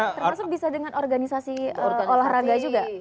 termasuk bisa dengan organisasi olahraga juga